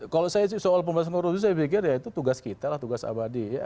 kalau saya soal pembahasan korupsi saya pikir ya itu tugas kita lah tugas abadi